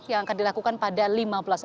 yang akan dilakukan pada lima belas april